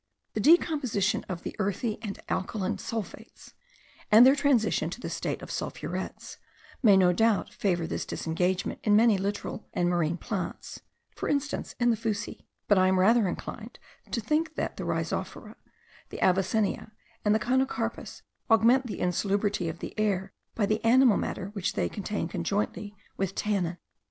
The decomposition of the earthy and alkaline sulphates, and their transition to the state of sulphurets, may no doubt favour this disengagement in many littoral and marine plants; for instance, in the fuci: but I am rather inclined to think that the rhizophora, the avicennia, and the conocarpus, augment the insalubrity of the air by the animal matter which they contain conjointly with tannin.